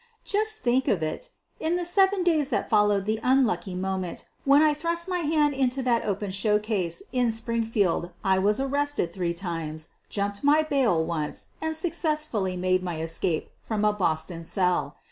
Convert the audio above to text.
Just think of it — in the seven days that followed the unlucky moment when I thrust my hand into that open showcase in Springfield I was arrested three QUEEN OF THE BURGLARS 239 times, jumped my bail once, and successfully made my escape from a Boston cell.